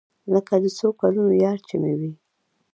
لکه د څو کلونو يار چې مې وي.